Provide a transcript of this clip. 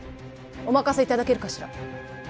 お任せいただけるかしら？